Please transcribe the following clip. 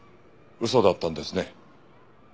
嘘だったんですね。